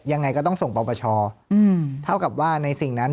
ยังไงก็ต้องส่งปรบศน์เปราะชอธ้ากับว่าในสิ่งนั้น